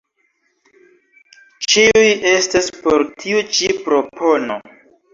Ĉiuj estas por tiu ĉi propono.